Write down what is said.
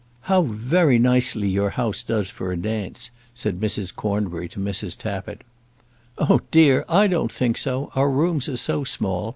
"How very nicely your house does for a dance," said Mrs. Cornbury to Mrs. Tappitt. "Oh dear, I don't think so. Our rooms are so small.